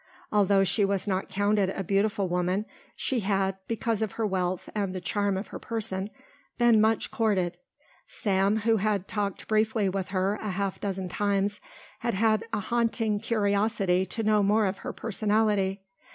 Although she was not counted a beautiful woman, she had, because of her wealth and the charm of her person, been much courted. Sam, who had talked briefly with her a half dozen times, had long had a haunting curiosity to know more of her personality.